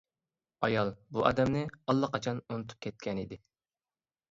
ئايال بۇ ئادەمنى ئاللىقاچان ئۇنتۇپ كەتكەنىدى.